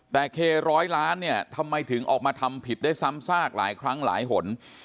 แต่เคร้อยล้านเนี่ยทำไมถึงออกมาทำผิดได้ซ้ำซากหลายครั้งหลายหน